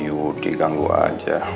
si yudi ganggu aja